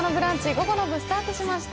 午後の部スタートしました。